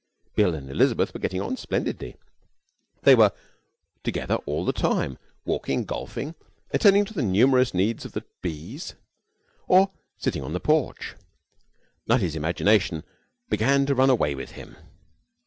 Bill and Elizabeth were getting on splendidly. They were together all the time walking, golfing, attending to the numerous needs of the bees, or sitting on the porch. Nutty's imagination began to run away with him.